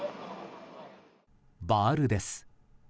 バールです。